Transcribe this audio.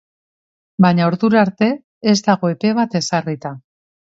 Baina ordura arte ez dago epe bat ezarrita.